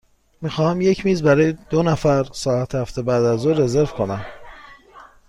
می خواهم یک میز برای دو نفر ساعت هفت بعدازظهر رزرو کنم.